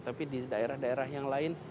tapi di daerah daerah yang lain